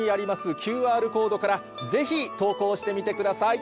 ＱＲコードからぜひ投稿してみてください。